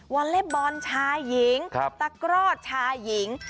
วอร์เลฟบอลชาหญิงตระกรอดชาหญิง